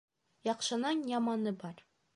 Яҡшының яманы бар.